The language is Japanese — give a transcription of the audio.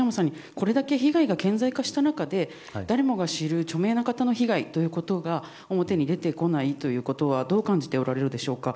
これほど被害が顕在化した中で誰もが知る著名な方の被害というのが表に出てこないということはどう感じておられるでしょうか。